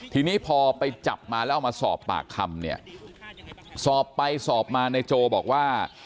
ทีนี้พอไปจับมาแล้วเอามาสอบปากคำเนี่ยสอบไปสอบมานายโจบอกว่า